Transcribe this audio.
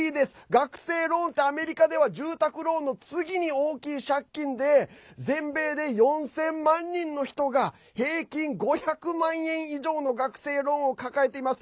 学生ローンってアメリカでは住宅ローンの次に大きい借金で全米で４０００万人の人が平均５００万円以上の学生ローンを抱えています。